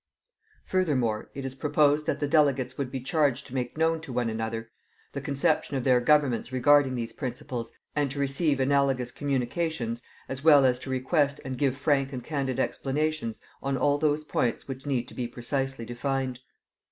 Furthermore, it is proposed that the delegates would be charged to make known to one another the conception of their Governments regarding these principles, and to receive analogous communications, as well as to request and give frank and candid explanations on all those points which need to be precisely defined.